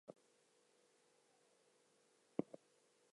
The judges' assessments are onlnie.